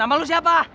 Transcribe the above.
nama lu siapa